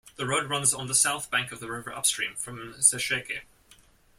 The road runs on the south bank of the river upstream from Sesheke.